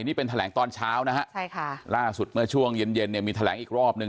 นี่เป็นแถลงตอนเช้านะฮะใช่ค่ะล่าสุดเมื่อช่วงเย็นเย็นเนี่ยมีแถลงอีกรอบหนึ่ง